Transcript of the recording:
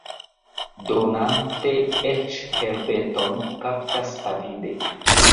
Dronanto eĉ herbeton kaptas avide.